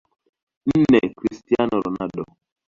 NneChristiano Ronaldo